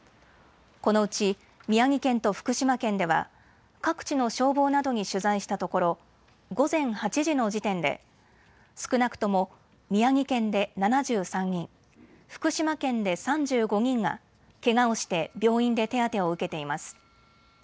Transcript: このうち宮城県と福島県では各地の消防などに取材したところ午前８時の時点で少なくとも宮城県で７３人、福島県で３５人が、けがをして病院で手当てを受けています。